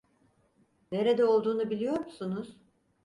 Nerede olduğunu biliyor musunuz?